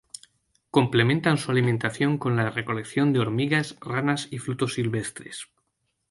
Complementan su alimentación con la recolección de hormigas, ranas y frutos silvestres.